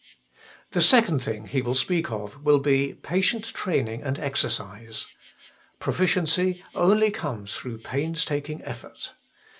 The second thing he will speak of will be patient training and exercise. Proficiency only comes through painstaking effort.